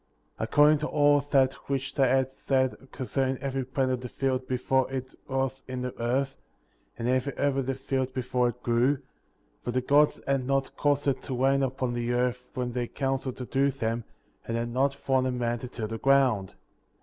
According to all that which they had said con cerning every plant of the field before it was in the earth, and every herb of the field before it grew; for the Gods had not caused it to rain upon the earth when they counseled to do them, and had not formed a man to till the ground.